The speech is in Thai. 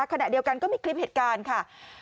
ขณะเดียวกันก็มีคลิปเหตุการณ์ค่ะ